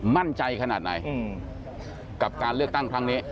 มั่นใจขนาดไหนกับการเลือกตั้งครั้งนี้